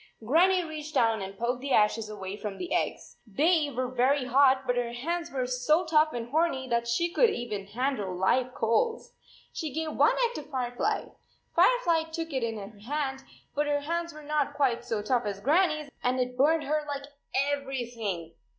Grannie reached down and poked the. ashes away from the eggs. They were very hot, but her hands were so tough and horny that she could even handle live coals. She gave one egg to Firefly. Firefly took it in her hand, but her hands were not quite so tough as Grannie s and it burned her like 21 everything